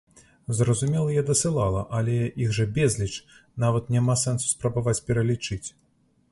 Зразумела, я дасылала, але іх жа безліч, нават няма сэнсу, спрабаваць пералічыць!